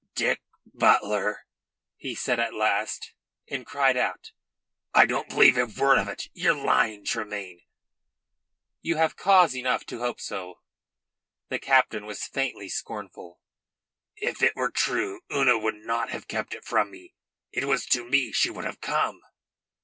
"Dick Butler?" he said at last, and cried out: "I don't believe a word of it! Ye're lying, Tremayne." "You have cause enough to hope so." The captain was faintly scornful. "If it were true, Una would not have kept it from me. It was to me she would have come."